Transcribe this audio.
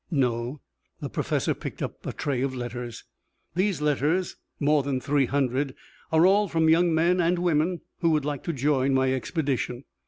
"No." The professor picked up a tray of letters. "These letters more than three hundred are all from young men and women who would like to join my expedition."